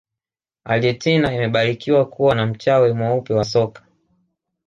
argentina imebarikiwa kuwa na mchawi mweupe wa soka